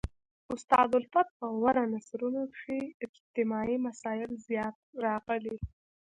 استاد الفت په غوره نثرونو کښي اجتماعي مسائل زیات راغلي.